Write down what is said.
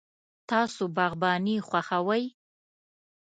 تاسو باغباني خوښوئ؟